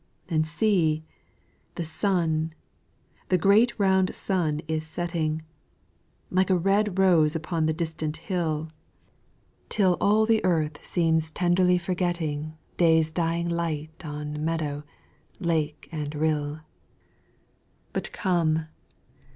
And see! the sun the great round sun is setting, Like a red rose upon the distant hill, Till all the earth seems tenderly forgetting Day's dying light on meadow, lake and rill; But come!